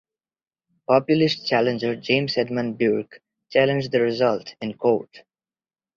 Populist challenger James Edmund Burke challenged the result in court.